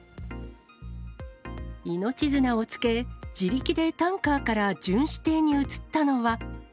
命綱をつけ、自力でタンカーから巡視艇に移ったのは。